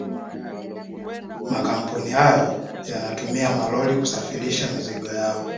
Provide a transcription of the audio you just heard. Makampuni hayo yanatumia malori kusafirisha mizigo yao